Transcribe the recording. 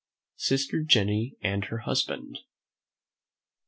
SISTER JENNY AND HER HUSBAND.